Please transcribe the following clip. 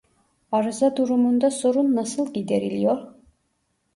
Arıza durumunda sorun nasıl gideriliyor